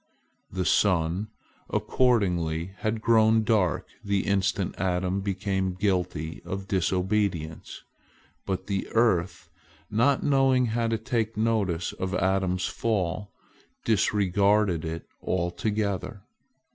The sun, accordingly, had grown dark the instant Adam became guilty of disobedience, but the earth, not knowing how to take notice of Adam's fall, disregarded it altogether.